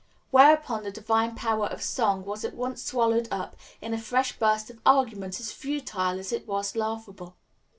Whereupon the divine power of song was at once swallowed up in a fresh burst of argument as futile as it was laughable.